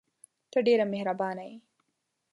ته ډېره مهربانه یې !